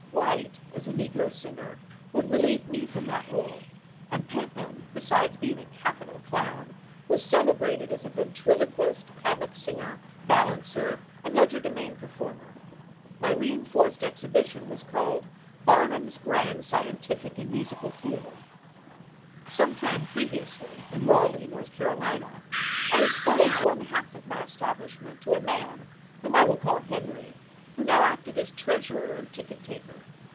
White, as a negro singer, would relieve me from that roll, and Pentland, besides being a capital clown, was celebrated as a ventriloquist, comic singer, balancer, and legerdemain performer. My re enforced exhibition was called "Barnum's Grand Scientific and Musical Theatre." Some time previously, in Raleigh, North Carolina, I had sold one half of my establishment to a man, whom I will call Henry, who now acted as treasurer and ticket taker.